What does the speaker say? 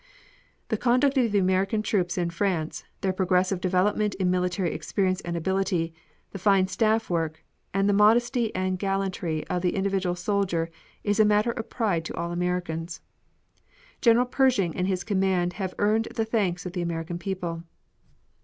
The conduct of the American troops in France, their progressive development in military experience and ability, the fine staff work, and the modesty and gallantry of the individual soldier is a matter of pride to all Americans. General Pershing and his command have earned the thanks of the American people.